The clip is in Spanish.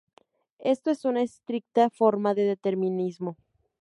Esto es una estricta forma de determinismo.